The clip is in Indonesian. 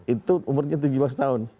itu umurnya tujuh belas tahun